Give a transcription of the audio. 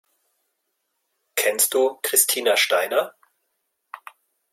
Kennst du Christina Steiner?